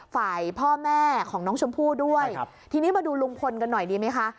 ฝ่ายพ่อแม่ของน้องชมพู่ด้วยครับทีนี้มาดูลุงพลกันหน่อยดีไหมคะ